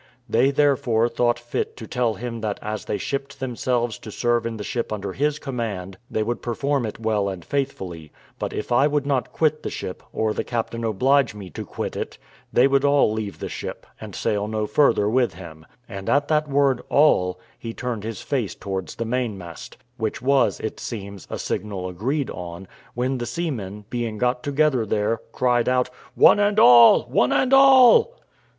They therefore thought fit to tell him that as they shipped themselves to serve in the ship under his command, they would perform it well and faithfully; but if I would not quit the ship, or the captain oblige me to quit it, they would all leave the ship, and sail no further with him; and at that word all he turned his face towards the main mast, which was, it seems, a signal agreed on, when the seamen, being got together there, cried out, "One and all! one and all!"